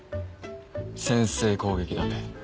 先制攻撃だべ。